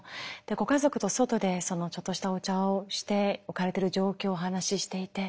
ご家族と外でちょっとしたお茶をして置かれてる状況をお話ししていて。